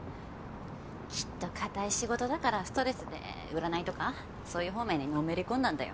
きっと堅い仕事だからストレスで占いとかそういう方面にのめり込んだんだよ。